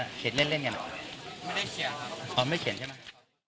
ไม่ได้เขียนครับอ๋อไม่ได้เขียนใช่ไหม